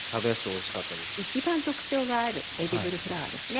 いちばん特徴があるエディブルフラワーですね。